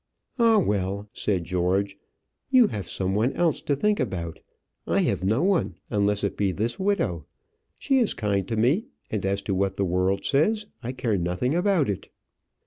"Ah, well," said George, "you have some one else to think about. I have no one, unless it be this widow. She is kind to me, and as to what the world says, I care nothing about it."